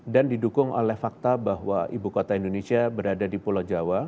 dan didukung oleh fakta bahwa ibu kota indonesia berada di pulau jawa